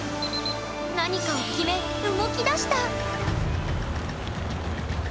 何かを決め動き出した！